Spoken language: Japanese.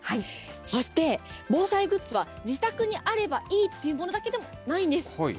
そして、防災グッズは自宅にあればいいっていうものだけでもないんです。